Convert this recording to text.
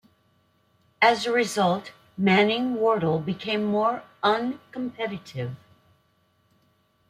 As a result, Manning Wardle became more uncompetitive.